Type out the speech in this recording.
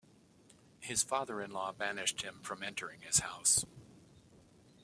His father-in-law banished him from entering his house.